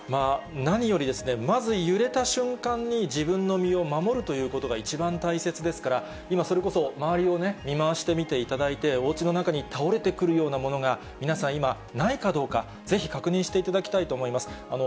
何より、まず揺れた瞬間に、自分の身を守るということが一番大切ですから、今、それこそ、周りを見回してみていただいて、おうちの中に倒れてくるようなものが皆さん、今、ないかどうか、ぜひ確認していただきたいと思います。